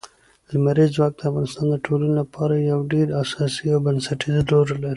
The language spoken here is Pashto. لمریز ځواک د افغانستان د ټولنې لپاره یو ډېر اساسي او بنسټيز رول لري.